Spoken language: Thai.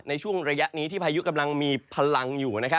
ในช่วงระยะนี้ที่พายุกำลังมีพลังอยู่